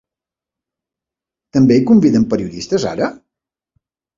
També hi conviden periodistes, ara?